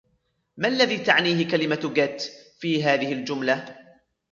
ما الذي تعنيه كلمة " get " في هذه الجملة ؟